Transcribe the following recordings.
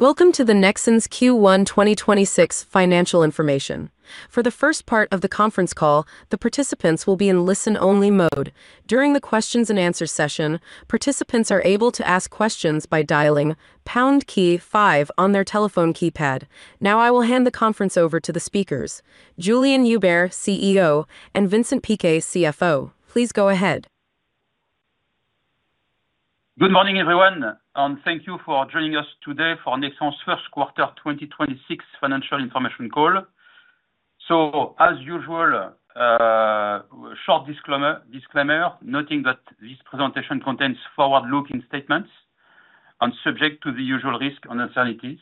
Welcome to the Nexans Q1 2026 financial information. For the first part of the conference call, the participants will be in listen-only mode. During the questions and answer session, participants are able to ask questions by dialing pound key five on their telephone keypad. Now I will hand the conference over to the speakers, Julien Hueber, CEO, and Vincent Piquet, CFO. Please go ahead. Good morning, everyone, and thank you for joining us today for Nexans Q1 2026 financial information call. As usual, short disclaimer noting that this presentation contains forward-looking statements and subject to the usual risks and uncertainties.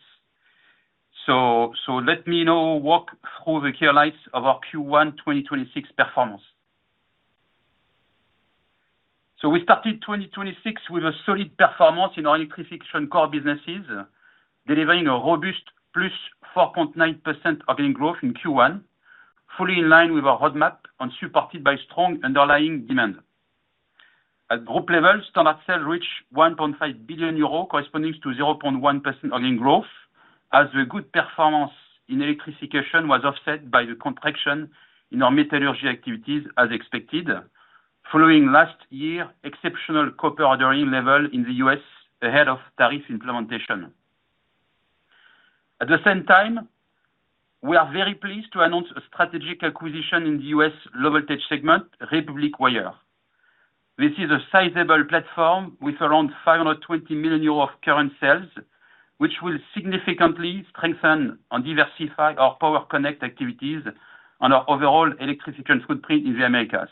Let me now walk through the key highlights of our Q1 2026 performance. We started 2026 with a solid performance in our electrification core businesses, delivering a robust +4.9% organic growth in Q1, fully in line with our roadmap and supported by strong underlying demand. At group level, standard sales reached 1.5 billion euros, corresponding to 0.1% organic growth. The good performance in electrification was offset by the contraction in our metallurgy activities as expected, following last year exceptional copper ordering level in the U.S. ahead of tariff implementation. At the same time, we are very pleased to announce a strategic acquisition in the U.S. low voltage segment, Republic Wire. This is a sizable platform with around 520 million euros of current sales, which will significantly strengthen and diversify our Power Connect activities and our overall electrification footprint in the Americas.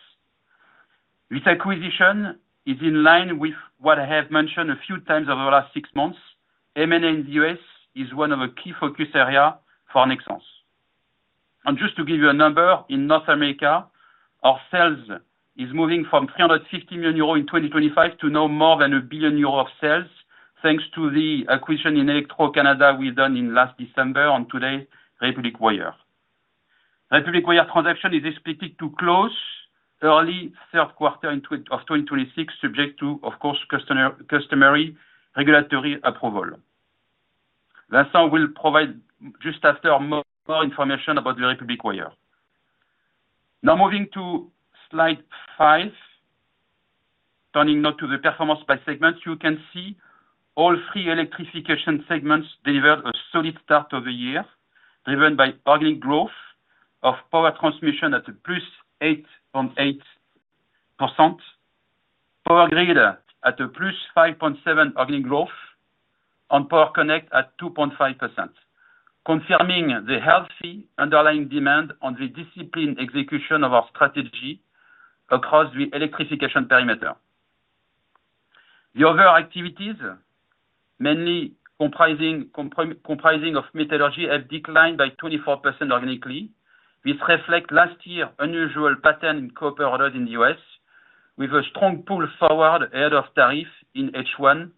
This acquisition is in line with what I have mentioned a few times over the last six months. M&A in the U.S. is one of a key focus area for Nexans. Just to give you a number, in North America, our sales is moving from 350 million euro in 2025 to now more than 1 billion euro of sales, thanks to the acquisition in Electro Cables we've done in last December on today, Republic Wire. Republic Wire transaction is expected to close early third quarter in 2026, subject to, of course, customary regulatory approval. Vincent will provide just after more information about the Republic Wire. Now moving to Slide 5. Turning now to the performance by segment. You can see all three electrification segments delivered a solid start of the year, driven by organic growth of Power Transmission at +8.8%, Power Grid at +5.7% organic growth, and Power Connect at 2.5%, confirming the healthy underlying demand on the disciplined execution of our strategy across the electrification perimeter. The other activities, mainly comprising of metallurgy, have declined by 24% organically, which reflect last year unusual pattern in copper orders in the U.S., with a strong pull forward ahead of tariff in H1,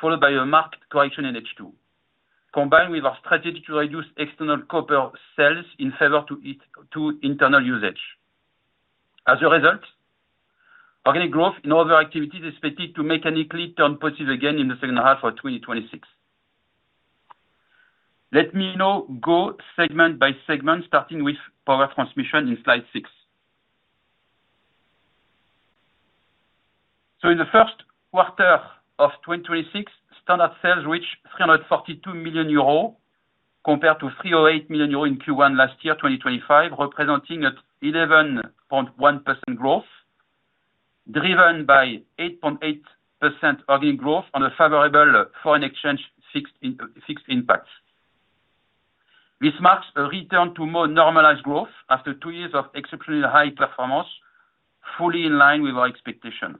followed by a marked correction in H2, combined with our strategy to reduce external copper sales in favor of internal usage. As a result, organic growth in other activities is expected to mechanically turn positive again in the second half of 2026. Let me now go segment by segment, starting with Power Transmission in Slide 6. In the first quarter of 2026, standard sales reached 342 million euros compared to 308 million euros in Q1 last year, 2025, representing 11.1% growth, driven by 8.8% organic growth on a favorable foreign exchange, fixed impacts. This marks a return to more normalized growth after two years of exceptionally high performance, fully in line with our expectation.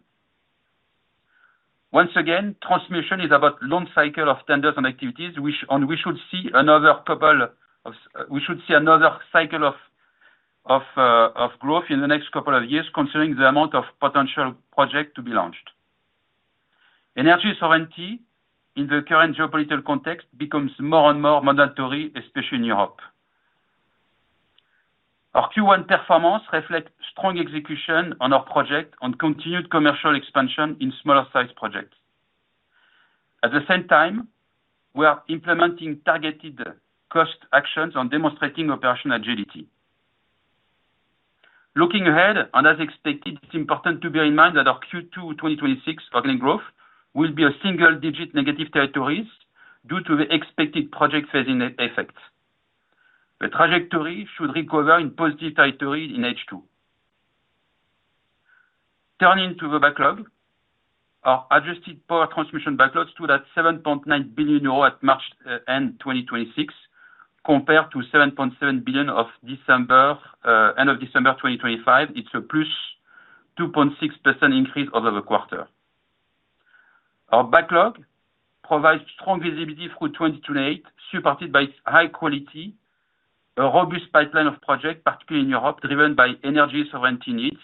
Once again, transmission is about long cycle of tenders and activities, and we should see another cycle of growth in the next couple of years, considering the amount of potential project to be launched. Energy sovereignty in the current geopolitical context becomes more and more mandatory, especially in Europe. Our Q1 performance reflects strong execution on our projects and continued commercial expansion in smaller size projects. At the same time, we are implementing targeted cost actions and demonstrating operational agility. Looking ahead, as expected, it's important to bear in mind that our Q2 2026 organic growth will be a single-digit negative territory due to the expected project phasing effects. The trajectory should recover in positive territory in H2. Turning to the backlog. Our adjusted Power Transmission backlog stood at 7.9 billion euros at March end 2026 compared to 7.7 billion at end of December 2025. It's a +2.6% increase over the quarter. Our backlog provides strong visibility through 2028, supported by its high quality, a robust pipeline of projects, particularly in Europe, driven by energy sovereignty needs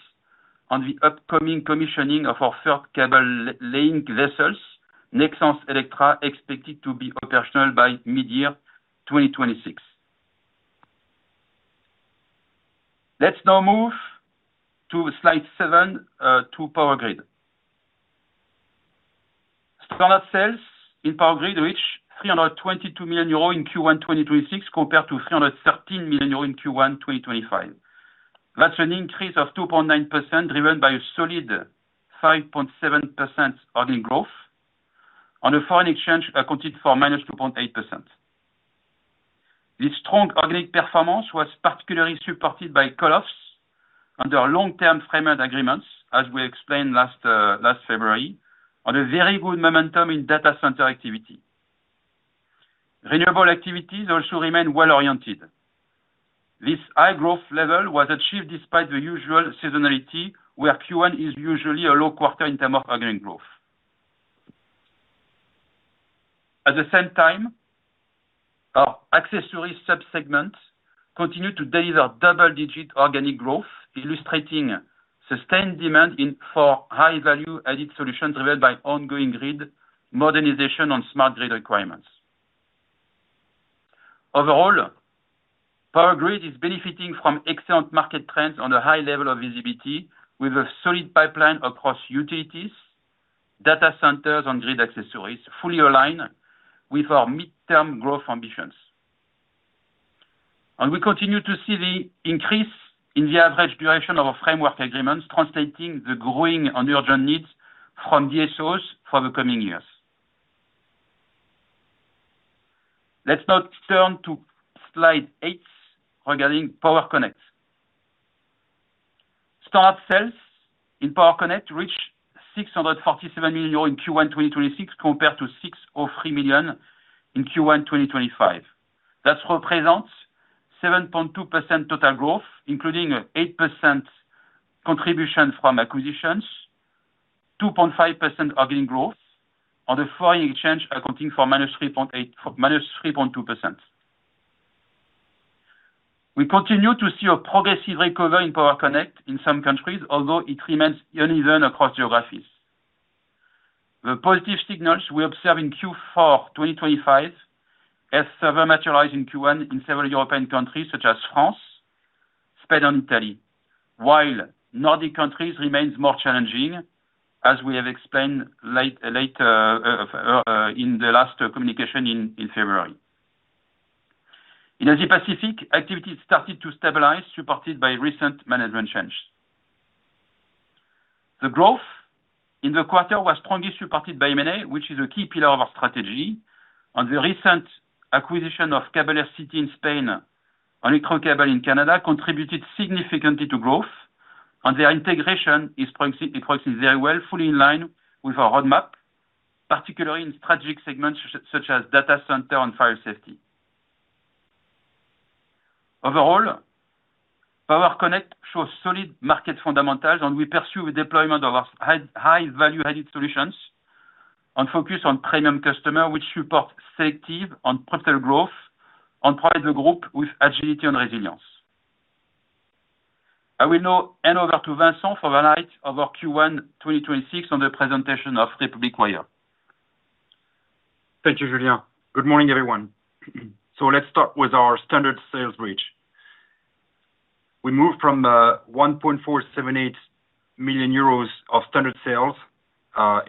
on the upcoming commissioning of our third cable laying vessels, Nexans Electra, expected to be operational by mid-year 2026. Let's now move to Slide 7, to Power Grid. Standard sales in Power Grid reached 322 million euros in Q1 2026 compared to 313 million euros in Q1 2025. That's an increase of 2.9% driven by a solid 5.7% organic growth and foreign exchange accounted for -2.8%. This strong organic performance was particularly supported by offtakes under long-term framework agreements, as we explained last February, on a very good momentum in data center activity. Renewable activities also remain well-oriented. This high growth level was achieved despite the usual seasonality, where Q1 is usually a low quarter in terms of organic growth. At the same time, our accessories sub-segments continue to deliver double-digit organic growth, illustrating sustained demand for high value added solutions driven by ongoing grid modernization and smart grid requirements. Overall, Power Grid is benefiting from excellent market trends on a high level of visibility with a solid pipeline across utilities, data centers and grid accessories fully aligned with our midterm growth ambitions. We continue to see the increase in the average duration of our framework agreements translating the growing and urgent needs from DSOs for the coming years. Let's now turn to Slide 8 regarding Power Connect. Standard sales in Power Connect reached 647 million euros in Q1 2026 compared to 603 million in Q1 2025. That represents 7.2% total growth, including 8% contribution from acquisitions, 2.5% organic growth, and the foreign exchange accounting for -3.2%. We continue to see a progressive recovery in Power Connect in some countries, although it remains uneven across geographies. The positive signals we observe in Q4 2025 as observed materialize in Q1 in several European countries such as France, Spain, and Italy, while Nordic countries remains more challenging, as we have explained later in the last communication in February. In Asia Pacific, activities started to stabilize, supported by recent management changes. The growth in the quarter was strongly supported by M&A, which is a key pillar of our strategy. The recent acquisition of Cables RCT in Spain, Electro Cables Inc. in Canada contributed significantly to growth. Their integration is progressing very well, fully in line with our roadmap, particularly in strategic segments such as data center and fire safety. Overall, Power Connect shows solid market fundamentals, and we pursue the deployment of our high value-added solutions and focus on premium customer which support selective and profitable growth and provide the group with agility and resilience. I will now hand over to Vincent for the highlights of our Q1 2026 and the presentation of Republic Wire. Thank you, Julien. Good morning, everyone. Let's start with our standard sales revenue. We moved from 1.478 million euros of standard sales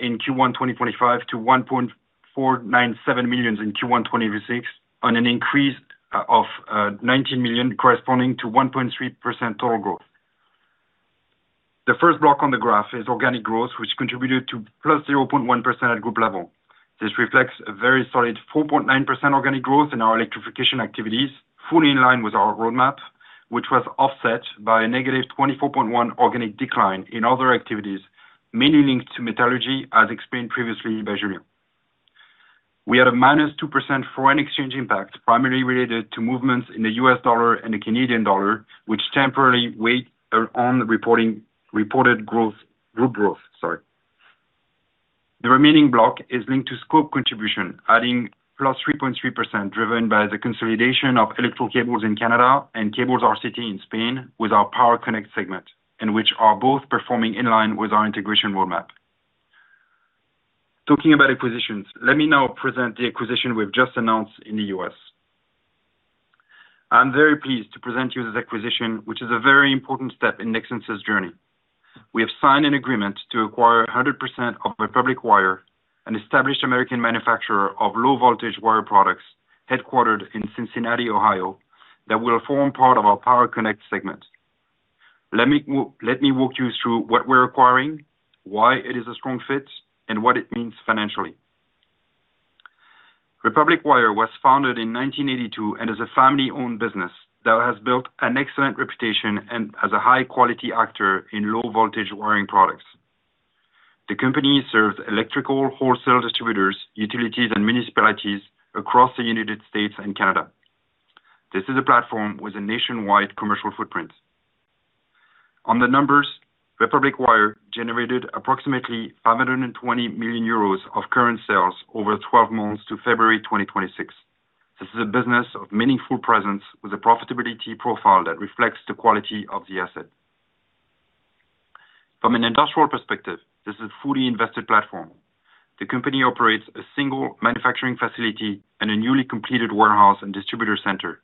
in Q1 2025 to 1.497 million in Q1 2026 on an increase of 19 million corresponding to 1.3% total growth. The first block on the graph is organic growth, which contributed to +0.1% at group level. This reflects a very solid 4.9% organic growth in our electrification activities, fully in line with our roadmap, which was offset by a negative 24.1% organic decline in other activities, mainly linked to metallurgy, as explained previously by Julien. We had a -2% foreign exchange impact, primarily related to movements in the U.S. dollar and the Canadian dollar, which temporarily weighed on the reported group growth, sorry. The remaining block is linked to scope contribution, adding +3.3%, driven by the consolidation of Electro Cables in Canada and Cables RCT in Spain with our Power Connect segment, and which are both performing in line with our integration roadmap. Talking about acquisitions, let me now present the acquisition we've just announced in the U.S. I'm very pleased to present you this acquisition, which is a very important step in Nexans' journey. We have signed an agreement to acquire 100% of Republic Wire, an established American manufacturer of low-voltage wire products headquartered in Cincinnati, Ohio, that will form part of our Power Connect segment. Let me walk you through what we're acquiring, why it is a strong fit, and what it means financially. Republic Wire was founded in 1982 and is a family-owned business that has built an excellent reputation as a high quality actor in low voltage wiring products. The company serves electrical wholesale distributors, utilities, and municipalities across the United States and Canada. This is a platform with a nationwide commercial footprint. On the numbers, Republic Wire generated approximately 520 million euros of current sales over 12 months to February 2026. This is a business of meaningful presence with a profitability profile that reflects the quality of the asset. From an industrial perspective, this is a fully invested platform. The company operates a single manufacturing facility and a newly completed warehouse and distribution center.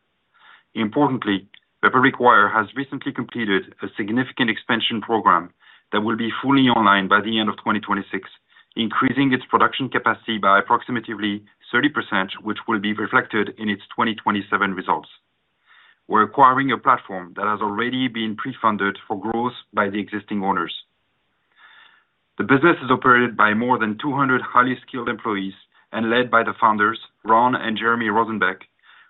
Importantly, Republic Wire has recently completed a significant expansion program that will be fully online by the end of 2026, increasing its production capacity by approximately 30%, which will be reflected in its 2027 results. We're acquiring a platform that has already been pre-funded for growth by the existing owners. The business is operated by more than 200 highly skilled employees and led by the founders, Ron and Jeremy Rosenbeck,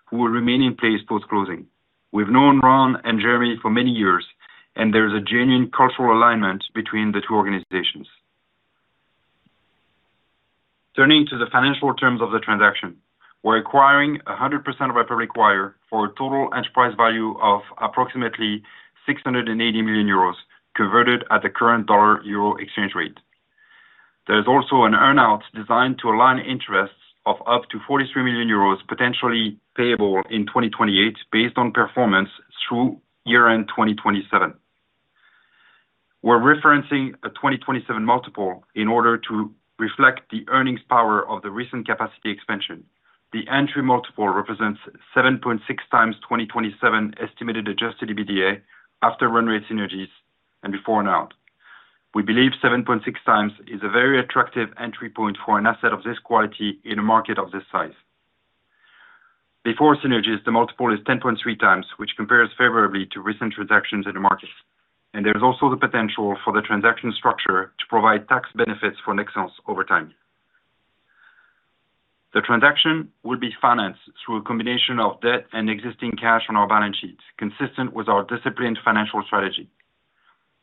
who will remain in place post-closing. We've known Ron and Jeremy for many years, and there's a genuine cultural alignment between the two organizations. Turning to the financial terms of the transaction, we're acquiring 100% of Republic Wire for a total enterprise value of approximately 680 million euros converted at the current dollar euro exchange rate. There's also an earn-out designed to align interests of up to 43 million euros, potentially payable in 2028 based on performance through year-end 2027. We're referencing a 2027 multiple in order to reflect the earnings power of the recent capacity expansion. The entry multiple represents 7.6x 2027 estimated adjusted EBITDA after run rate synergies and before earn-out. We believe 7.6x is a very attractive entry point for an asset of this quality in a market of this size. Before synergies, the multiple is 10.3x, which compares favorably to recent transactions in the market. There's also the potential for the transaction structure to provide tax benefits for Nexans over time. The transaction will be financed through a combination of debt and existing cash on our balance sheet, consistent with our disciplined financial strategy.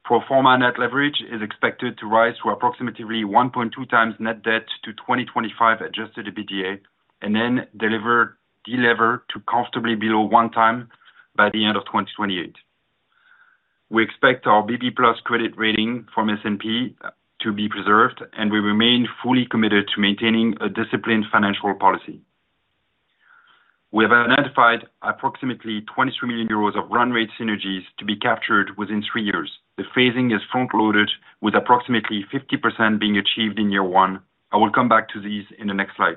Pro forma net leverage is expected to rise to approximately 1.2x net debt to 2025 Adjusted EBITDA, and then deliver delever to comfortably below 1x by the end of 2028. We expect our BB+ credit rating from S&P to be preserved, and we remain fully committed to maintaining a disciplined financial policy. We have identified approximately 23 million euros of run rate synergies to be captured within three years. The phasing is front-loaded, with approximately 50% being achieved in year 1. I will come back to these in the next slide.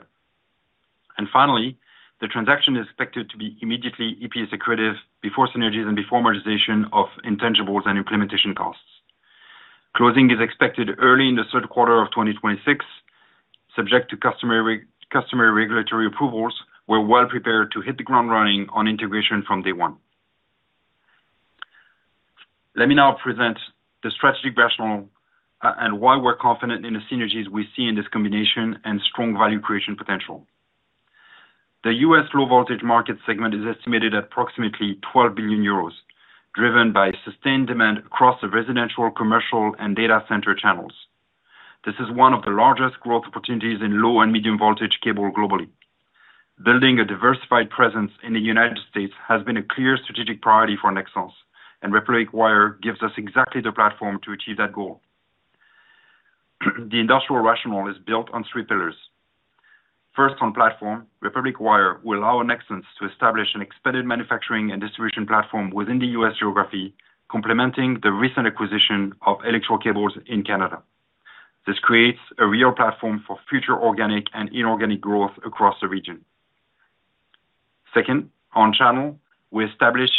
Finally, the transaction is expected to be immediately EPS accretive before synergies and before amortization of intangibles and implementation costs. Closing is expected early in the third quarter of 2026, subject to customary regulatory approvals. We're well prepared to hit the ground running on integration from day one. Let me now present the strategic rationale, and why we're confident in the synergies we see in this combination and strong value creation potential. The U.S. low-voltage market segment is estimated at approximately 12 billion euros, driven by sustained demand across the residential, commercial, and data center channels. This is one of the largest growth opportunities in low and medium voltage cable globally. Building a diversified presence in the United States has been a clear strategic priority for Nexans, and Republic Wire gives us exactly the platform to achieve that goal. The industrial rationale is built on three pillars. First, on platform, Republic Wire will allow Nexans to establish an expanded manufacturing and distribution platform within the U.S. geography, complementing the recent acquisition of Electro Cables in Canada. This creates a real platform for future organic and inorganic growth across the region. Second, on channel, we establish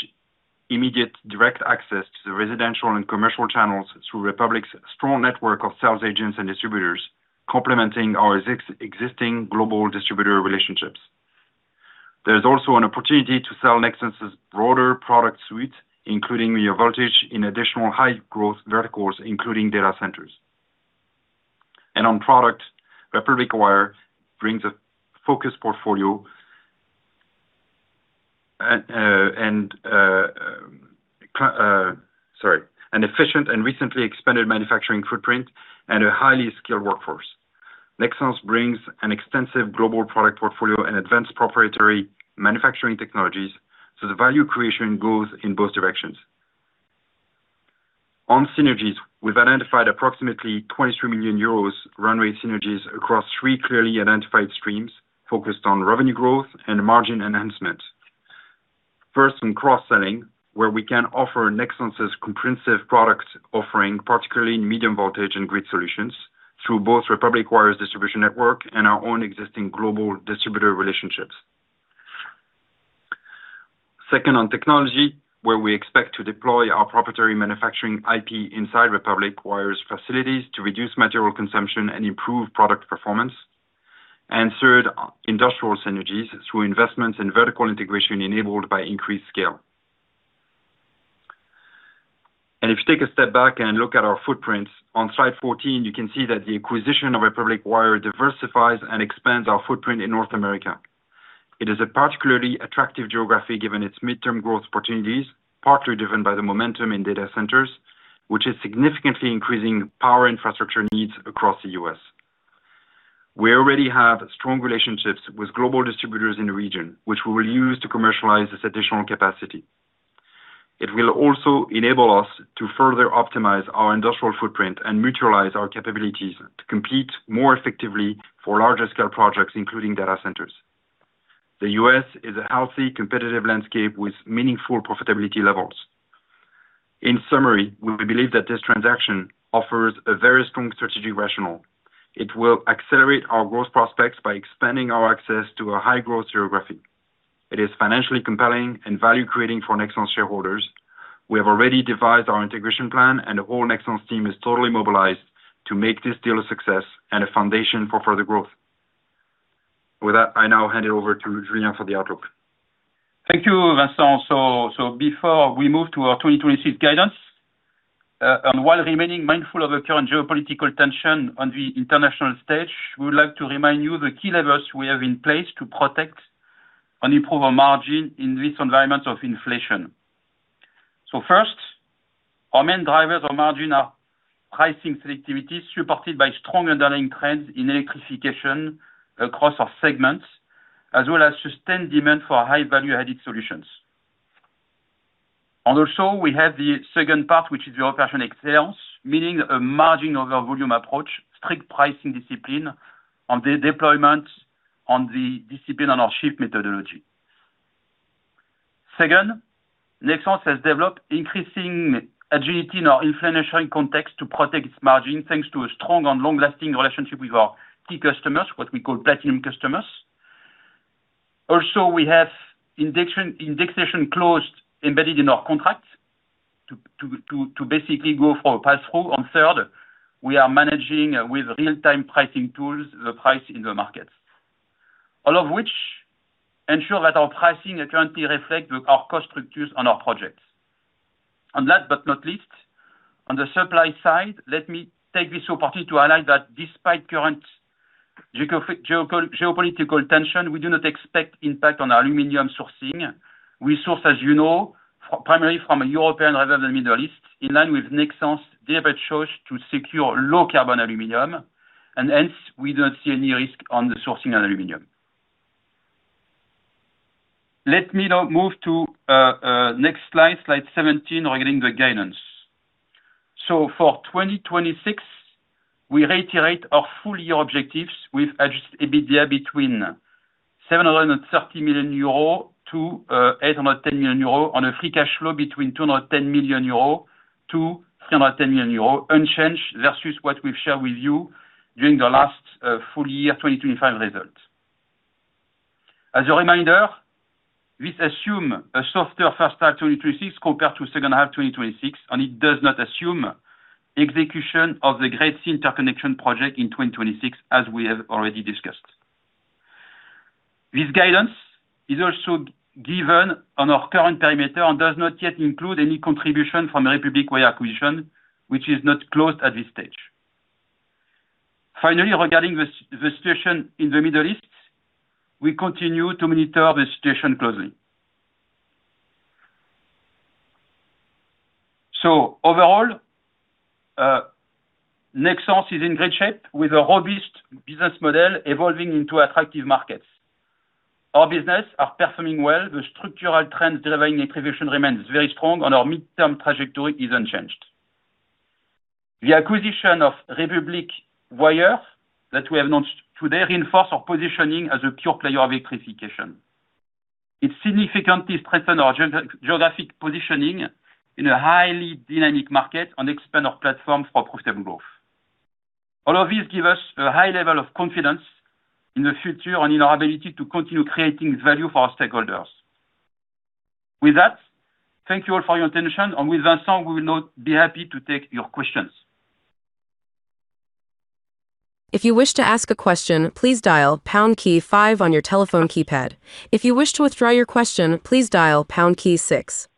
immediate direct access to the residential and commercial channels through Republic's strong network of sales agents and distributors, complementing our existing global distributor relationships. There's also an opportunity to sell Nexans' broader product suite, including low voltage in additional high growth verticals, including data centers. On product, Republic Wire brings a focused portfolio and an efficient and recently expanded manufacturing footprint and a highly skilled workforce. Nexans brings an extensive global product portfolio and advanced proprietary manufacturing technologies, so the value creation goes in both directions. On synergies, we've identified approximately 23 million euros run rate synergies across three clearly identified streams focused on revenue growth and margin enhancement. First, on cross-selling, where we can offer Nexans' comprehensive product offering, particularly in medium voltage and grid solutions, through both Republic Wire's distribution network and our own existing global distributor relationships. Second, on technology, where we expect to deploy our proprietary manufacturing IP inside Republic Wire's facilities to reduce material consumption and improve product performance. Third, industrial synergies through investments in vertical integration enabled by increased scale. If you take a step back and look at our footprints on Slide 14, you can see that the acquisition of Republic Wire diversifies and expands our footprint in North America. It is a particularly attractive geography given its midterm growth opportunities, partly driven by the momentum in data centers, which is significantly increasing power infrastructure needs across the U.S. We already have strong relationships with global distributors in the region, which we will use to commercialize this additional capacity. It will also enable us to further optimize our industrial footprint and mutualize our capabilities to compete more effectively for larger scale projects, including data centers. The U.S. is a healthy competitive landscape with meaningful profitability levels. In summary, we believe that this transaction offers a very strong strategic rationale. It will accelerate our growth prospects by expanding our access to a high growth geographic. It is financially compelling and value creating for Nexans shareholders. We have already devised our integration plan and the whole Nexans team is totally mobilized to make this deal a success and a foundation for further growth. With that, I now hand it over to Julien for the outlook. Thank you, Vincent. Before we move to our 2026 guidance, and while remaining mindful of the current geopolitical tension on the international stage, we would like to remind you the key levers we have in place to protect and improve our margin in this environment of inflation. First, our main drivers of margin are pricing selectivities, supported by strong underlying trends in electrification across our segments, as well as sustained demand for high value added solutions. We have the second part, which is the Operational Excellence, meaning a margin over volume approach, strict pricing discipline on the deployment, on the discipline on our SHIFT methodology. Second, Nexans has developed increasing agility in our inflationary context to protect its margin, thanks to a strong and long-lasting relationship with our key customers, what we call platinum customers. We have indexation closed embedded in our contracts to basically go for a pass-through. Third, we are managing with real-time pricing tools, the price in the markets. All of which ensure that our pricing currently reflect our cost structures on our projects. Last but not least, on the supply side, let me take this opportunity to highlight that despite current geopolitical tension, we do not expect impact on aluminum sourcing. We source, as you know, primarily from a European rather than Middle East, in line with Nexans' direct choice to secure low-carbon aluminum, and hence we don't see any risk on the sourcing on aluminum. Let me now move to next Slide 17, regarding the guidance. For 2026, we reiterate our full year objectives with adjusted EBITDA between 730 million euro to 810 million euro, on a free cash flow between 210 million euro to 310 million euro, unchanged versus what we've shared with you during the last full year 2025 results. As a reminder, this assume a softer first half 2026 compared to second half 2026, and it does not assume execution of the Great Sea Interconnector project in 2026, as we have already discussed. This guidance is also given on our current perimeter and does not yet include any contribution from Republic Wire acquisition, which is not closed at this stage. Finally, regarding the situation in the Middle East, we continue to monitor the situation closely. Overall, Nexans is in great shape with a robust business model evolving into attractive markets. Our business are performing well. The structural trends driving electrification remains very strong and our midterm trajectory is unchanged. The acquisition of Republic Wire that we have announced today reinforce our positioning as a pure player of electrification. It significantly strengthen our geographic positioning in a highly dynamic market and expand our platform for profitable growth. All of this give us a high level of confidence in the future and in our ability to continue creating value for our stakeholders. With that, thank you all for your attention, and with Vincent, we will now be happy to take your questions. If you wish to ask a question, please dial pound key five on your telephone keypad. If you wish to withdraw your question, please dial pound key six.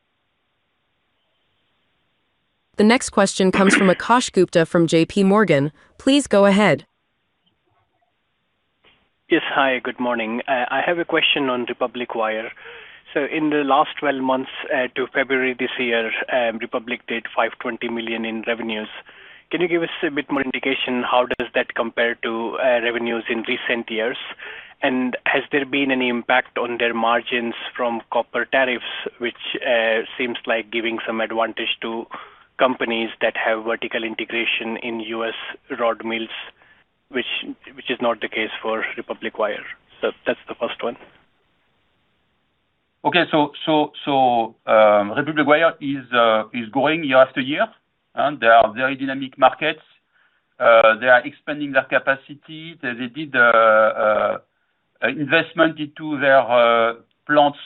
The next question comes from Akash Gupta from JPMorgan. Please go ahead. Yes. Hi, good morning. I have a question on Republic Wire. In the last 12 months to February this year, Republic did $520 million in revenues. Can you give us a bit more indication how does that compare to revenues in recent years? Has there been any impact on their margins from copper tariffs, which seems like giving some advantage to companies that have vertical integration in U.S. rod mills, which is not the case for Republic Wire. That's the first one. Okay. Republic Wire is growing year after year, and they are in very dynamic markets. They are expanding their capacity. They did investment into their plants.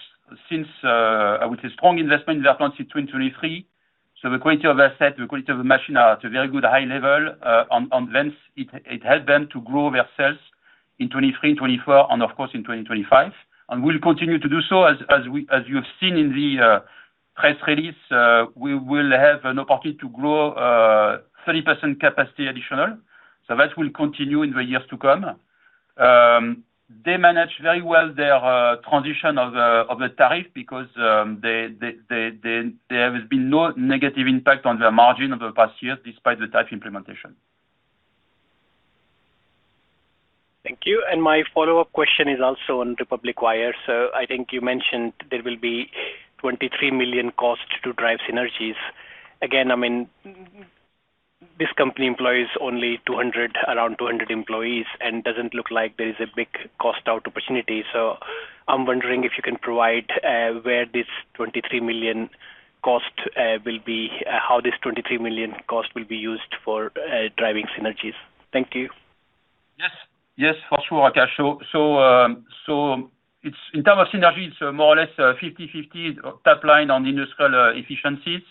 I would say strong investment in their plants in 2023. The quality of asset, the quality of machine are at a very good high level, and since it helps them to grow their sales in 2023, 2024 and of course in 2025. We'll continue to do so as you've seen in the press release. We will have an opportunity to grow 30% capacity additional. That will continue in the years to come. They manage very well their transition of the tariff because there has been no negative impact on their margin over the past years despite the tariff implementation. Thank you. My follow-up question is also on Republic Wire. I think you mentioned there will be 23 million cost to drive synergies. Again, I mean, this company employs only 200, around 200 employees and doesn't look like there is a big cost out opportunity. I'm wondering if you can provide how this 23 million cost will be used for driving synergies. Thank you. Yes, for sure, Akash. In terms of synergies, more or less, 50/50 top line on industrial efficiencies.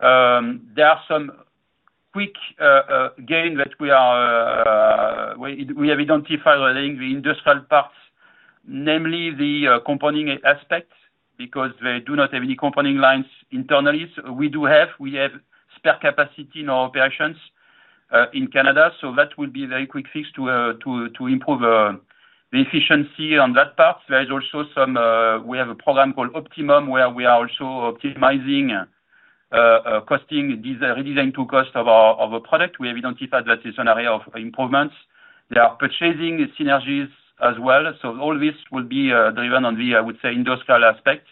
There are some quick gain that we have identified during the industrial parts, namely the compounding aspect, because they do not have any compounding lines internally. We have spare capacity in our operations in Canada, so that will be very quick fix to improve the efficiency on that part. There is also some, we have a program called Optimum, where we are also optimizing costing, these are redesign to cost of our, of a product. We have identified that is an area of improvements. There are purchasing synergies as well. All this will be driven on the, I would say, industrial aspect.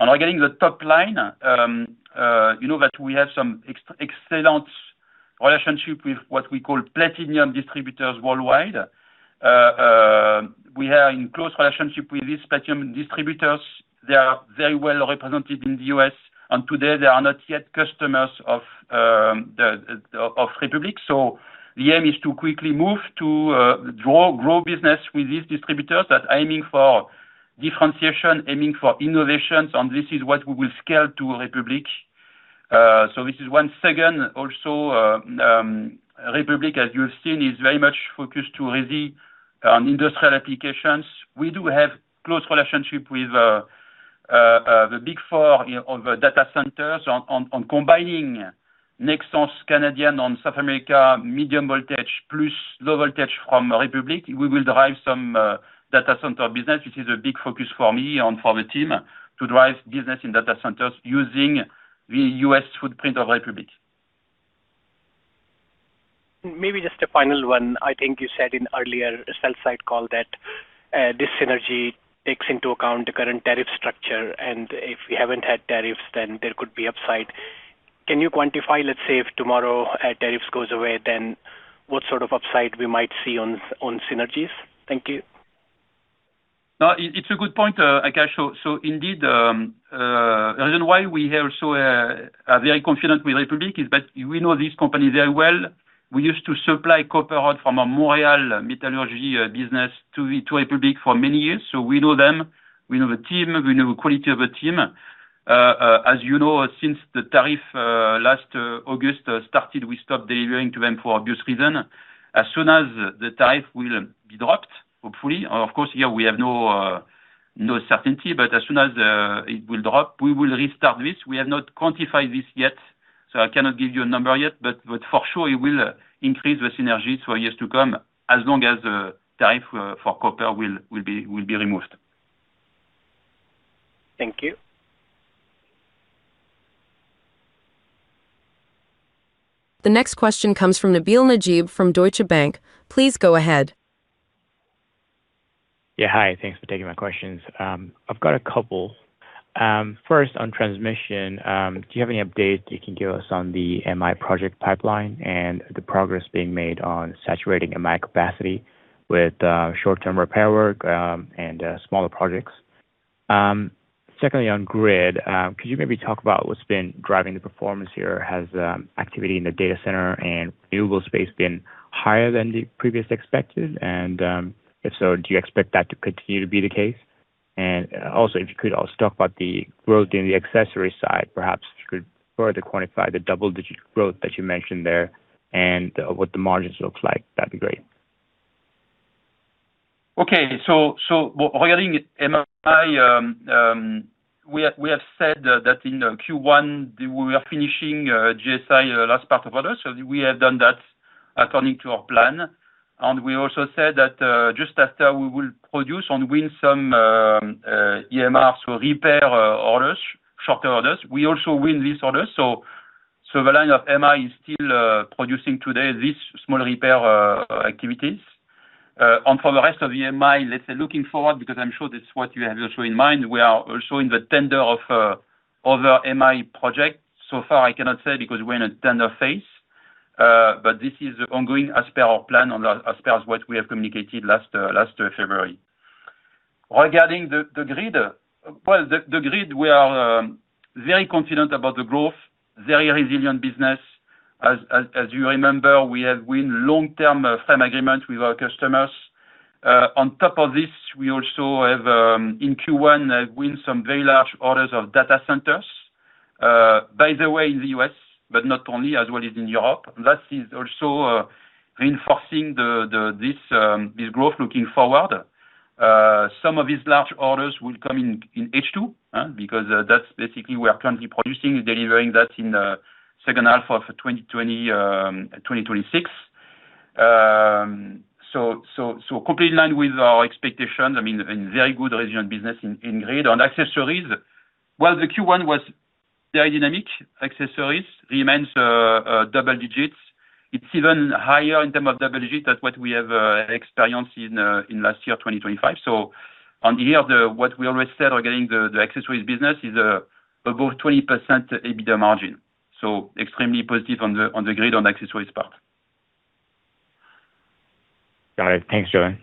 Regarding the top line, you know that we have some excellent relationship with what we call platinum distributors worldwide. We are in close relationship with these platinum distributors. They are very well represented in the U.S., and today they are not yet customers of Republic. The aim is to quickly move to grow business with these distributors that aiming for differentiation, aiming for innovations, and this is what we will scale to Republic. This is one second. Also, Republic, as you've seen, is very much focused on heavy industrial applications. We do have close relationship with the big four of data centers on combining Nexans Canadian and South America, medium voltage plus low voltage from Republic. We will derive some data center business, which is a big focus for me and for the team to drive business in data centers using the U.S. footprint of Republic. Maybe just a final one. I think you said in earlier sell-side call that this synergy takes into account the current tariff structure, and if we haven't had tariffs, then there could be upside. Can you quantify, let's say, if tomorrow our tariffs goes away, then what sort of upside we might see on synergies? Thank you. No, it's a good point, Akash. Indeed, the reason why we are so very confident with Republic is that we know this company very well. We used to supply copper rod from a Montreal metallurgy business to Republic for many years. We know them, we know the team, we know the quality of the team. As you know, since the tariff last August started, we stopped delivering to them for obvious reason. As soon as the tariff will be dropped, hopefully, of course, here we have no certainty, but as soon as it will drop, we will restart this. We have not quantified this yet, so I cannot give you a number yet, but for sure it will increase the synergies for years to come, as long as the tariff for copper will be removed. Thank you. The next question comes from Nabil Najeeb from Deutsche Bank. Please go ahead. Yeah. Hi. Thanks for taking my questions. I've got a couple. First, on transmission, do you have any updates you can give us on the MI project pipeline and the progress being made on saturating MI capacity with short-term repair work and smaller projects? Secondly, on grid, could you maybe talk about what's been driving the performance here? Has activity in the data center and renewable space been higher than the previously expected? If so, do you expect that to continue to be the case? If you could also talk about the growth in the accessory side, perhaps you could further quantify the double-digit growth that you mentioned there and what the margins look like, that'd be great. Regarding MI, we have said that in Q1 we are finishing GSI last part of order. We have done that according to our plan. We also said that just after we will produce and win some EMR, so repair orders, shorter orders. We also win this order. The line of MI is still producing today, this small repair activities. For the rest of the MI, let's say looking forward, because I'm sure this is what you have also in mind, we are also in the tender of other MI projects. So far, I cannot say because we're in a tender phase, but this is ongoing as per our plan as per what we have communicated last February. Regarding the grid. Well, the grid, we are very confident about the growth, very resilient business. As you remember, we have won long-term framework agreement with our customers. On top of this, we also have in Q1 have won some very large orders of data centers, by the way, in the U.S., but not only, as well as in Europe. That is also reinforcing this growth looking forward. Some of these large orders will come in in H2, because that's basically we are currently producing, delivering that in second half of 2026. So completely in line with our expectations, I mean, a very good resilient business in grid. On accessories, well, the Q1 was very dynamic. Accessories remains double digits. It's even higher in term of double digits than what we have experienced in last year, 2025. On the year, what we already said, the accessories business is above 20% EBITDA margin. Extremely positive on the Grid accessories part. Got it. Thanks, Julien.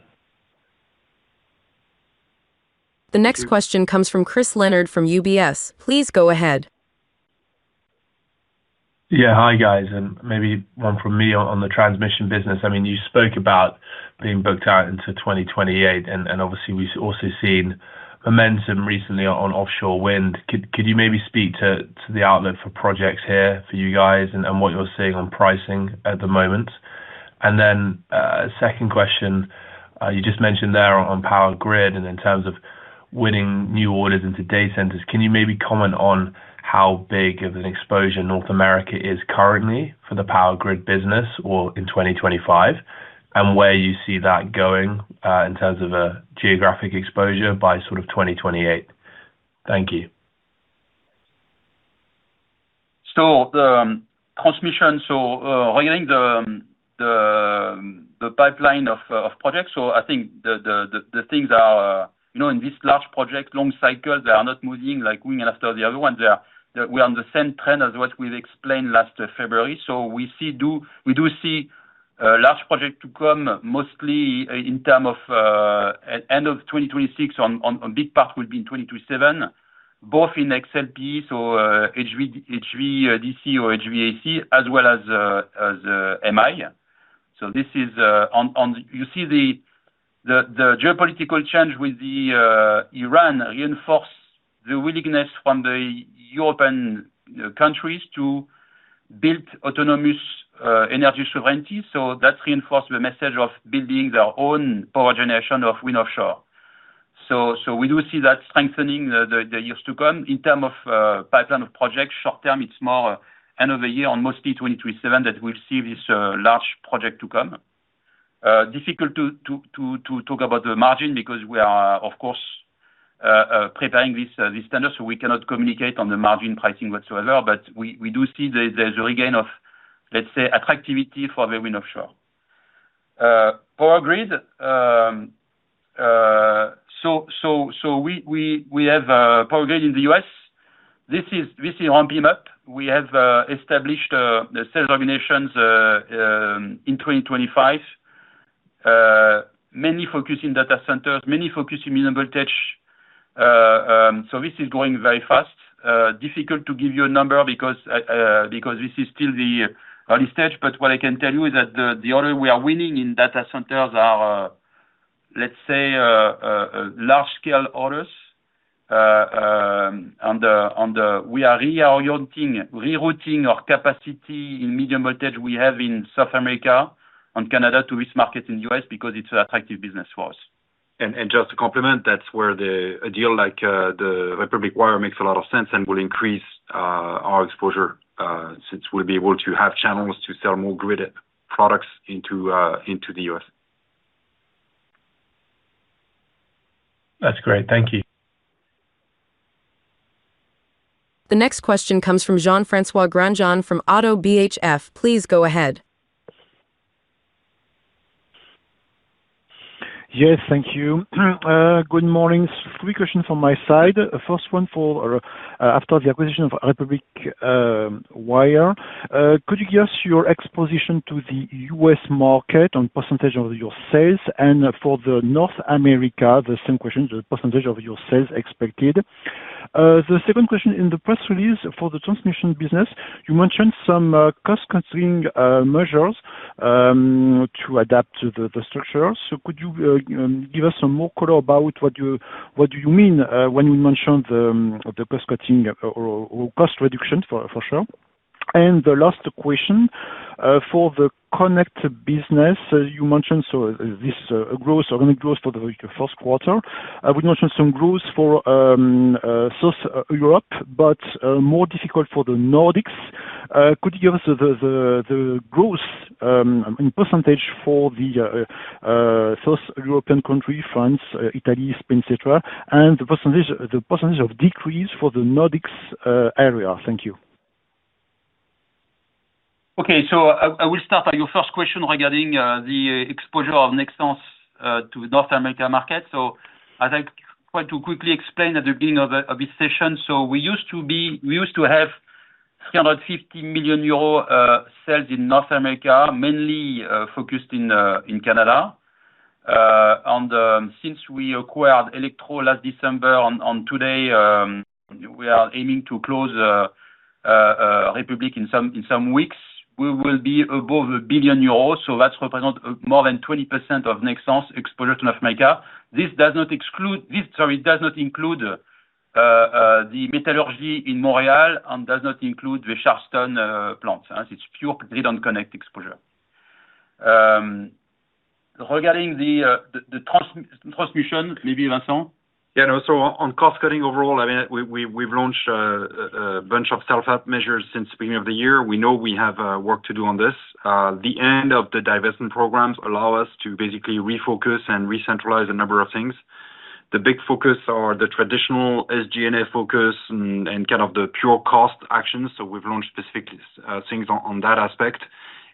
The next question comes from Christopher Leonard from UBS. Please go ahead. Yeah. Hi, guys. Maybe one from me on the transmission business. I mean, you spoke about being booked out into 2028 and obviously we've also seen momentum recently on offshore wind. Could you maybe speak to the outlet for projects here for you guys and what you're seeing on pricing at the moment? Then second question, you just mentioned there on Power Grid, and in terms of winning new orders into data centers, can you maybe comment on how big of an exposure North America is currently for the Power Grid business or in 2025, and where you see that going in terms of a geographic exposure by sort of 2028? Thank you. Regarding the transmission pipeline of projects. I think the things are, you know, in this large project long cycle, they are not moving like one after the other one. They are on the same trend as what we've explained last February. We do see large projects to come mostly in terms of end of 2026. A big part will be in 2027, both in XLPE, HV, HVDC or HVAC as well as MI. This is ongoing. You see the geopolitical change with Iran reinforce the willingness from the European countries to build autonomous energy sovereignty. That reinforce the message of building their own offshore wind power generation. We do see that strengthening in the years to come. In terms of pipeline of projects, short term, it's more end of the year or mostly 2027 that we'll see this large project to come. Difficult to talk about the margin because we are, of course, preparing this tender, so we cannot communicate on the margin pricing whatsoever. We do see there's a regain of, let's say, activity for the wind offshore. Power Grid. We have Power Grid in the U.S. This is on ramp-up. We have established the sales organizations in 2025. Main focus in data centers, main focus in medium voltage. This is going very fast. Difficult to give you a number because this is still the early stage. What I can tell you is that the order we are winning in data centers are, let's say, large scale orders on the. We are reorienting, rerouting our capacity in medium voltage we have in South America and Canada to this market in U.S. because it's attractive business for us. Just to complement, that's where a deal like the Republic Wire makes a lot of sense and will increase our exposure, since we'll be able to have channels to sell more grid products into the U.S. That's great. Thank you. The next question comes from Jean-François Granjon from Oddo BHF. Please go ahead. Yes. Thank you. Good morning. Three questions from my side. First one, after the acquisition of Republic Wire, could you give us your exposure to the U.S. market as a percentage of your sales? For North America, the same question, the percentage of your sales expected. The second question, in the press release for the transmission business, you mentioned some cost cutting measures to adapt to the structure. Could you give us some more color about what you mean when you mentioned the cost cutting or cost reduction for sure. The last question, for the connect business, you mentioned this growth, organic growth for the first quarter. You mentioned some growth for South Europe, but more difficult for the Nordics. Could you give us the growth in percentage for the South European country, France, Italy, Spain, et cetera, and the percent of decrease for the Nordics area? Thank you. Okay. I will start on your first question regarding the exposure of Nexans to North America market. As I tried to quickly explain at the beginning of this session, we used to have 350 million euro sales in North America, mainly focused in Canada. Since we acquired Electro last December, as of today, we are aiming to close Republic in some weeks. We will be above 1 billion euros, so that represents more than 20% of Nexans exposure to North America. This does not include the metallurgy in Montreal and does not include the Shawinigan plant. It's pure Grid and Connect exposure. Regarding the transmission, maybe Vincent. Yeah. No. On cost-cutting overall, I mean, we've launched a bunch of self-help measures since beginning of the year. We know we have work to do on this. The end of the divestment programs allow us to basically refocus and recentralize a number of things. The big focus are the traditional SG&A focus and kind of the pure cost actions. We've launched specific things on that aspect.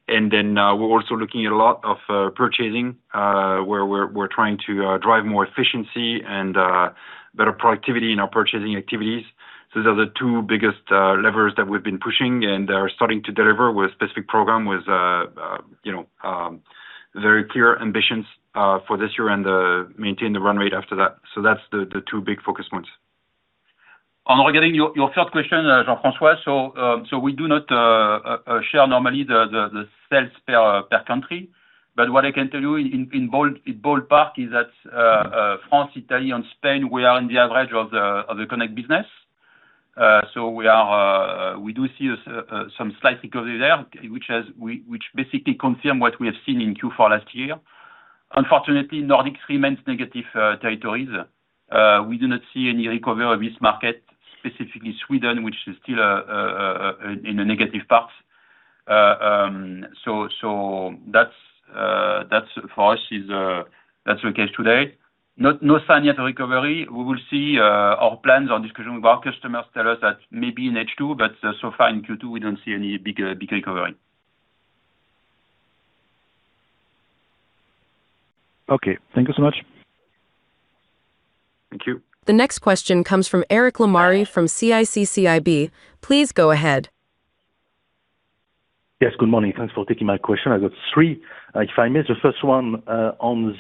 We're also looking at a lot of purchasing where we're trying to drive more efficiency and better productivity in our purchasing activities. Those are the two biggest levers that we've been pushing and are starting to deliver with specific program with you know very clear ambitions for this year and maintain the run rate after that. That's the two big focus points. Regarding your third question, Jean-François Granjon, we do not share normally the sales per country. But what I can tell you in ballpark is that France, Italy and Spain, we are in the average of the Power Connect business. So we do see some slight recovery there, which basically confirms what we have seen in Q4 last year. Unfortunately, Nordic remains negative territory. We do not see any recovery of this market, specifically Sweden, which is still in a negative path. That's for us, that's the case today. No sign yet of recovery. We will see our plans, our discussion with our customers tell us that maybe in H2, but so far in Q2, we don't see any big recovery. Okay. Thank you so much. Thank you. The next question comes from Eric Lemarié from CIC Market Solutions. Please go ahead. Yes, good morning. Thanks for taking my question. I've got three, if I may. The first one on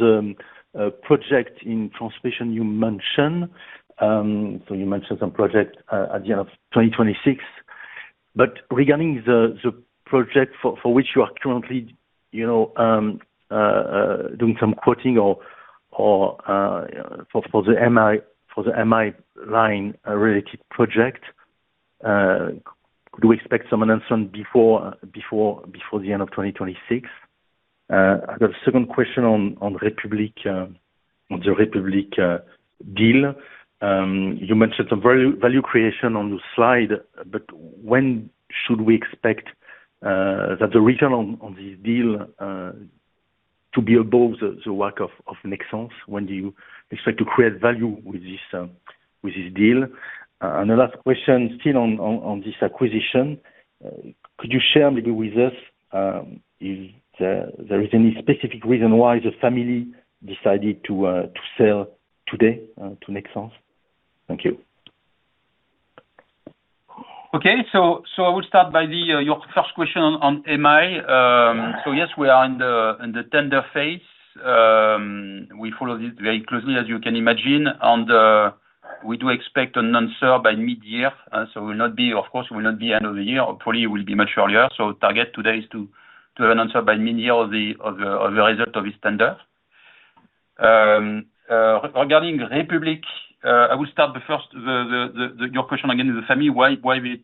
the project in transmission you mentioned. So you mentioned some project at the end of 2026. Regarding the project for which you are currently, you know, doing some quoting or for the MI line related project, could we expect some announcement before the end of 2026? I got a second question on Republic, on the Republic deal. You mentioned some value creation on the slide, but when should we expect that the return on the deal to be above the WACC of Nexans? When do you expect to create value with this deal? The last question still on this acquisition. Could you share maybe with us if there is any specific reason why the family decided to sell today to Nexans? Thank you. I will start by your first question on MI. Yes, we are in the tender phase. We follow it very closely, as you can imagine. We do expect an answer by mid-year. It will not be end of the year. Of course, it will not be end of the year. Probably will be much earlier. Target today is to have an answer by mid-year of the result of this tender. Regarding Republic, your question again is the family, why we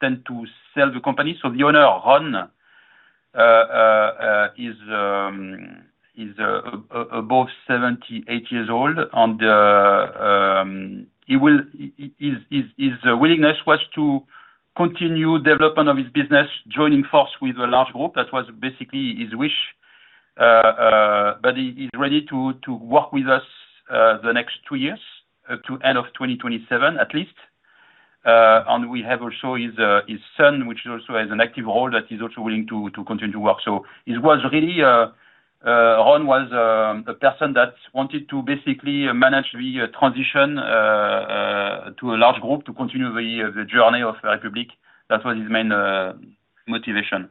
tend to sell the company. The owner, Ron, is above 78 years old, and his willingness was to continue development of his business, joining force with a large group. That was basically his wish. He’s ready to work with us the next two years to end of 2027 at least. We have also his son, which also has an active role that is also willing to continue to work. Ron was really a person that wanted to basically manage the transition to a large group to continue the journey of Republic. That was his main motivation.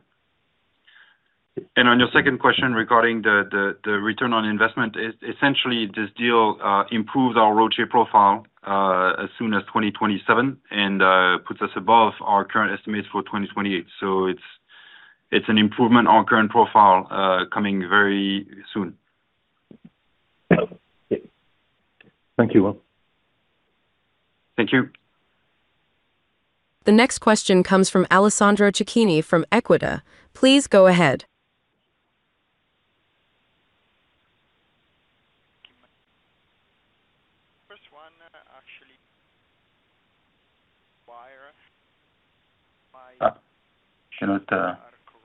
On your second question regarding the return on investment is essentially this deal improves our ROCE profile as soon as 2027, and puts us above our current estimates for 2028. It's an improvement on current profile coming very soon. Thank you. Thank you. The next question comes from Alessandro Cecchini from Equita. Please go ahead. First one, actually,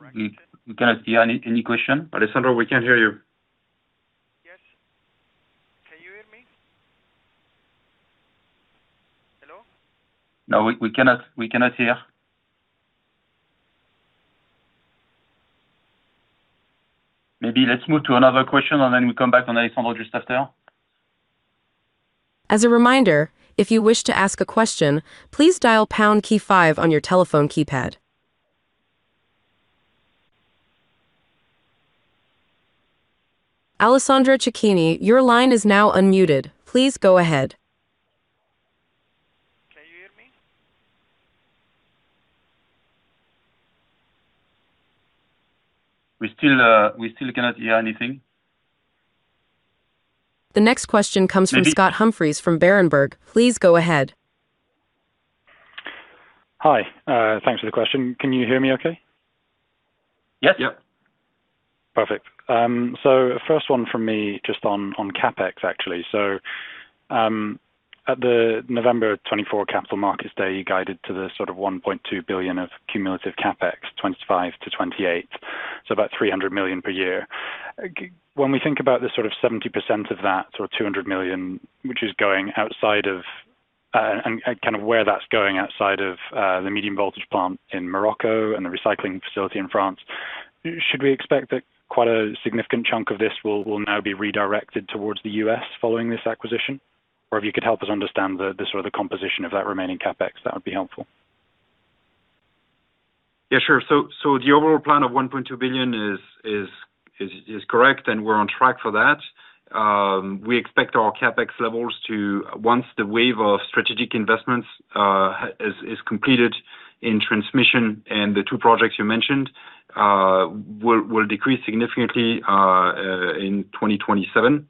by us. We cannot hear any question. Alessandro, we can't hear you. Yes. Can you hear me? Hello? No, we cannot hear. Maybe let's move to another question, and then we come back on Alessandro just after. As a reminder, if you wish to ask a question, please dial pound key five on your telephone keypad. Alessandro Cecchini, your line is now unmuted. Please go ahead. Can you hear me? We still cannot hear anything. The next question comes from Scott Humphreys from Berenberg. Please go ahead. Hi. Thanks for the question. Can you hear me okay? Yep. Yep. Perfect. First one from me just on CapEx, actually. At the November 2024 Capital Markets Day, you guided to the sort of 1.2 billion of cumulative CapEx, 2025-2028, so about 300 million per year. When we think about the sort of 70% of that or 200 million, which is going outside of and kind of where that's going outside of the medium voltage plant in Morocco and the recycling facility in France. Should we expect that quite a significant chunk of this will now be redirected towards the U.S. following this acquisition? Or if you could help us understand the the sort of the composition of that remaining CapEx, that would be helpful. Yeah, sure. The overall plan of 1.2 billion is correct, and we're on track for that. We expect our CapEx levels to decrease significantly once the wave of strategic investments is completed in transmission and the two projects you mentioned, in 2027.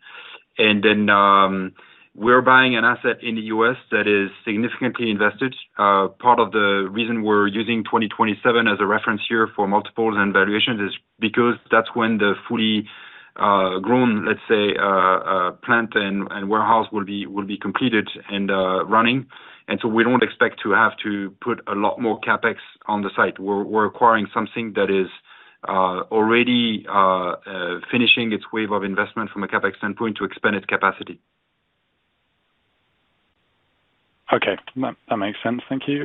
We're buying an asset in the U.S. that is significantly invested. Part of the reason we're using 2027 as a reference here for multiples and valuations is because that's when the fully grown, let's say, plant and warehouse will be completed and running. We don't expect to have to put a lot more CapEx on the site. We're acquiring something that is already finishing its wave of investment from a CapEx standpoint to expand its capacity. Okay. That makes sense. Thank you.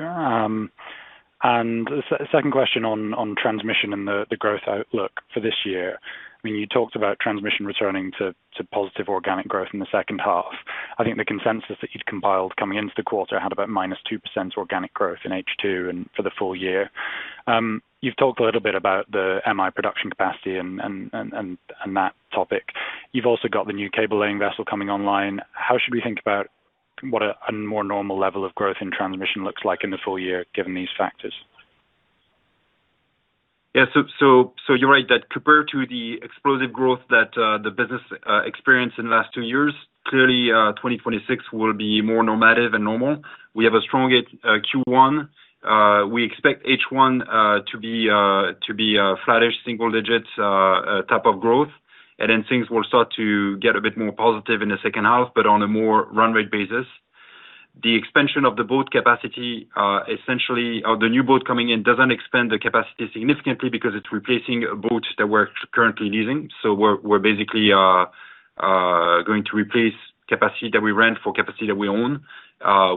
Second question on transmission and the growth outlook for this year. I mean, you talked about transmission returning to positive organic growth in the second half. I think the consensus that you'd compiled coming into the quarter had about -2% organic growth in H2 and for the full year. You've talked a little bit about the MI production capacity and that topic. You've also got the new cable laying vessel coming online. How should we think about what a more normal level of growth in transmission looks like in the full year, given these factors? Yeah. You're right that compared to the explosive growth that the business experienced in the last two years, clearly, 2026 will be more normative and normal. We have a strong Q1. We expect H1 to be flattish single digits type of growth. Things will start to get a bit more positive in the second half, but on a more run rate basis. The expansion of the boat capacity, essentially or the new boat coming in doesn't expand the capacity significantly because it's replacing a boat that we're currently using. We're basically going to replace capacity that we rent for capacity that we own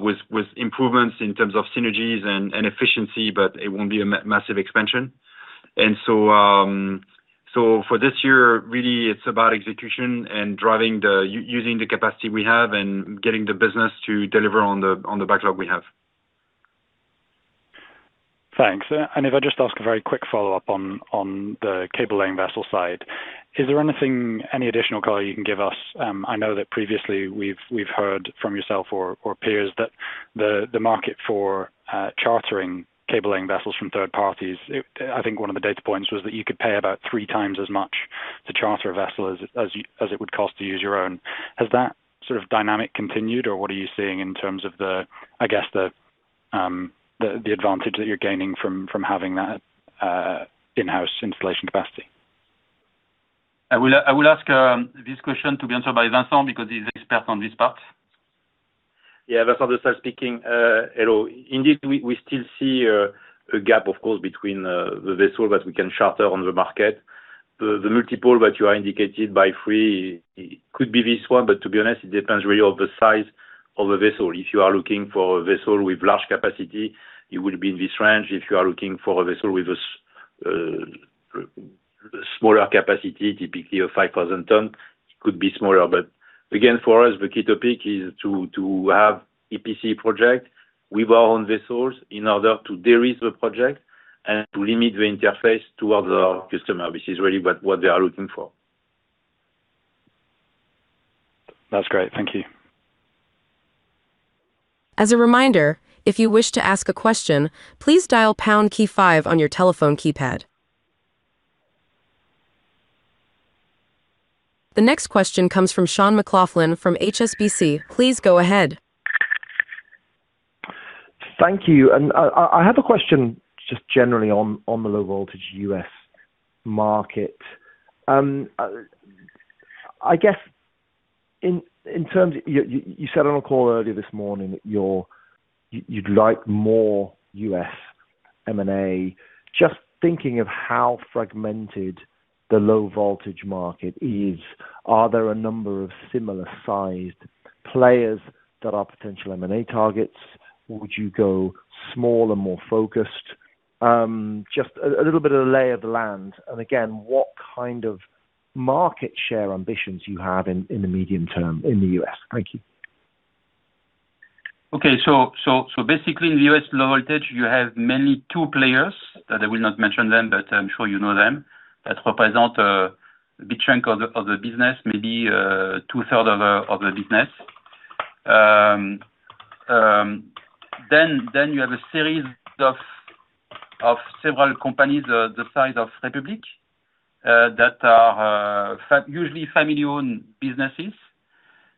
with improvements in terms of synergies and efficiency, but it won't be a massive expansion. For this year, really, it's about execution and driving using the capacity we have and getting the business to deliver on the backlog we have. Thanks. If I just ask a very quick follow-up on the cable laying vessel side. Is there any additional color you can give us? I know that previously we've heard from yourself or peers that the market for chartering cable laying vessels from third parties, I think one of the data points was that you could pay about three times as much to charter a vessel as it would cost to use your own. Has that sort of dynamic continued, or what are you seeing in terms of the, I guess, the advantage that you're gaining from having that in-house installation capacity? I will ask this question to be answered by Vincent because he's expert on this part. Vincent speaking. Hello. Indeed, we still see a gap, of course, between the vessel that we can charter on the market. The multiple that you are indicating by three could be this one, but to be honest, it depends really on the size of the vessel. If you are looking for a vessel with large capacity, you will be in this range. If you are looking for a vessel with smaller capacity, typically a 5,000-ton could be smaller. But again, for us, the key topic is to have EPC project with our own vessels in order to de-risk the project and to limit the interface to other customers, which is really what they are looking for. That's great. Thank you. As a reminder, if you wish to ask a question, please dial pound key five on your telephone keypad. The next question comes from Sean McLoughlin from HSBC. Please go ahead. Thank you. I have a question just generally on the low voltage U.S. market. I guess in terms, you said on a call earlier this morning that you'd like more U.S. M&A. Just thinking of how fragmented the low voltage market is, are there a number of similar sized players that are potential M&A targets? Would you go smaller, more focused? Just a little bit of the lay of the land, and again, what kind of market share ambitions you have in the medium term in the U.S. Thank you. Okay. Basically, in the U.S. low voltage, you have mainly two players that I will not mention them, but I'm sure you know them. That represent a big chunk of the business, maybe 2/3 of the business. You have a series of several companies the size of Republic that are usually family-owned businesses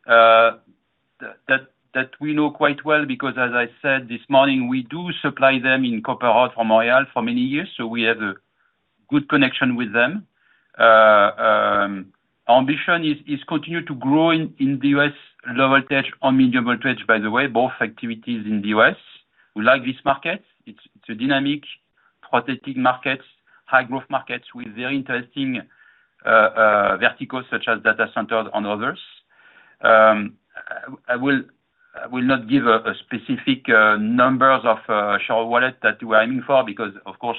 that we know quite well because, as I said this morning, we do supply them in copper rod and harness for many years, so we have a good connection with them. Our ambition is to continue to grow in the U.S. low voltage or medium voltage, by the way, both activities in the U.S. We like this market. It's a dynamic Positive markets, high growth markets with very interesting verticals such as data centers and others. I will not give a specific numbers of share wallet that we're aiming for because, of course,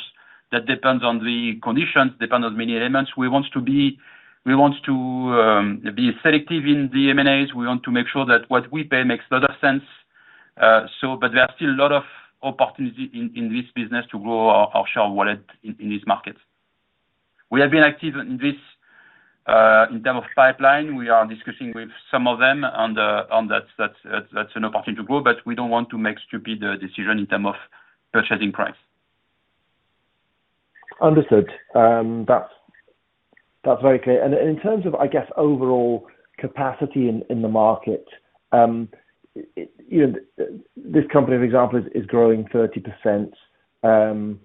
that depends on the conditions, depends on many elements. We want to be selective in the M&As. We want to make sure that what we pay makes a lot of sense. There are still a lot of opportunities in this business to grow our share wallet in these markets. We have been active in this in terms of pipeline. We are discussing with some of them on that's an opportunity to grow, but we don't want to make stupid decision in terms of purchasing price. Understood. That's very clear. In terms of, I guess, overall capacity in the market, this company, for example, is growing 30%.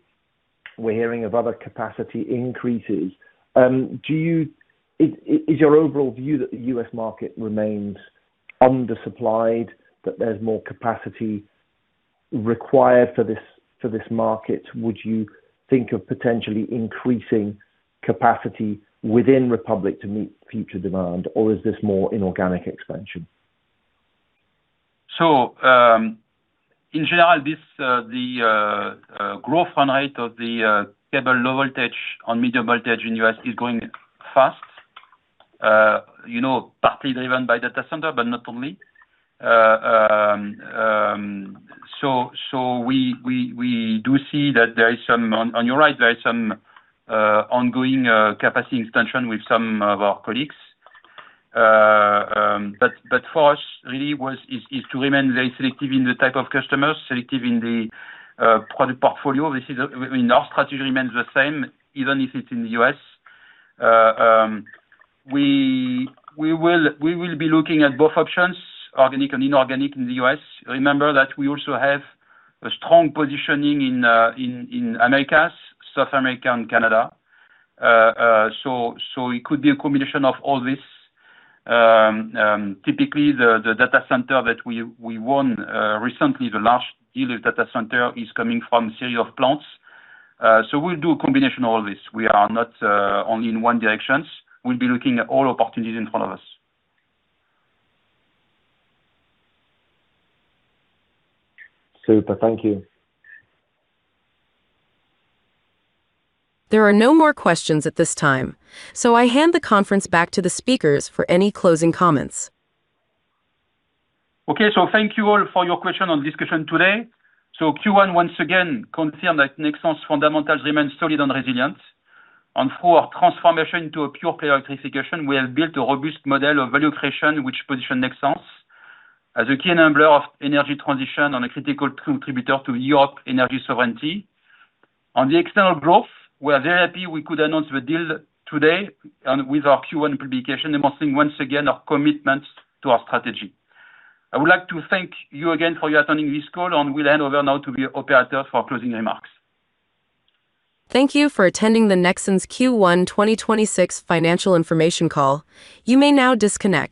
We're hearing of other capacity increases. Is your overall view that the U.S. market remains undersupplied, that there's more capacity required for this market? Would you think of potentially increasing capacity within Republic to meet future demand, or is this more inorganic expansion? In general, the growth in high voltage, low voltage and medium voltage in the U.S. is going fast, you know, partly driven by data center, but not only. We do see that. On your right, there is some ongoing capacity extension with some of our colleagues. For us really is to remain very selective in the type of customers, selective in the product portfolio. This is, I mean, our strategy remains the same, even if it's in the U.S. We will be looking at both options, organic and inorganic in the U.S. Remember that we also have a strong positioning in Americas, South America and Canada. It could be a combination of all this. Typically the data center that we won recently, the large data center is coming from a series of plants. We'll do a combination of all this. We are not only in one directions. We'll be looking at all opportunities in front of us. Super. Thank you. There are no more questions at this time, so I hand the conference back to the speakers for any closing comments. Okay. Thank you all for your questions and discussion today. Q1 once again confirms that Nexans' fundamentals remain solid and resilient. In 2024, transformation to a pure-play electrification, we have built a robust model of value creation, which positions Nexans as a key enabler of energy transition and a critical contributor to Europe's energy sovereignty. On the external growth, we are very happy we could announce the deal today along with our Q1 publication, demonstrating once again our commitment to our strategy. I would like to thank you again for attending this call, and we'll hand over now to the operator for closing remarks. Thank you for attending the Nexans Q1 2026 financial information call. You may now disconnect.